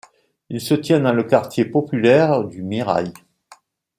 Il se tient dans le quartier populaire du Mirail.